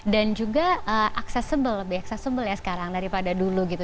juga accessible lebih accessible ya sekarang daripada dulu gitu